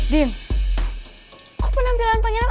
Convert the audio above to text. din kok penampilan pangeran